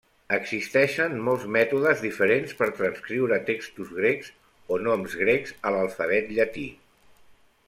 Existeixen molts mètodes diferents per transcriure textos grecs o noms grecs a l'alfabet llatí.